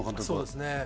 そうですね